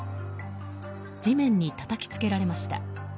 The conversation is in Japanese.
地面にたたきつけられました。